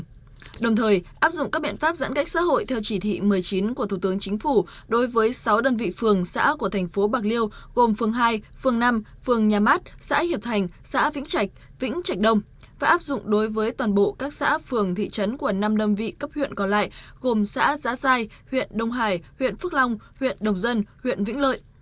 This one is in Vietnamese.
cụ thể tỉnh bạc liêu áp dụng các biện pháp giãn cách xã hội theo chỉ thị một mươi chín của thủ tướng chính phủ đối với sáu đơn vị phường xã của thành phố bạc liêu gồm phường hai phường năm phường nhà mát xã hiệp thành xã vĩnh trạch vĩnh trạch đông và áp dụng đối với toàn bộ các xã phường thị trấn của năm đơn vị cấp huyện còn lại gồm xã giá sai huyện đông hải huyện phước long huyện đồng dân huyện vĩnh lợi